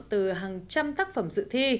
từ hàng trăm tác phẩm dự thi